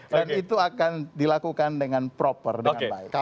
dan itu akan dilakukan dengan proper dengan baik